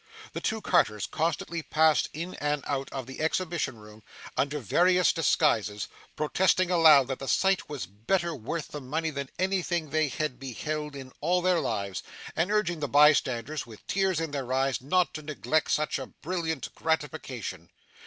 The two carters constantly passed in and out of the exhibition room, under various disguises, protesting aloud that the sight was better worth the money than anything they had beheld in all their lives, and urging the bystanders, with tears in their eyes, not to neglect such a brilliant gratification.